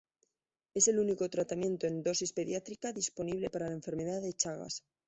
Es el único tratamiento en dosis pediátrica disponible para la enfermedad de Chagas.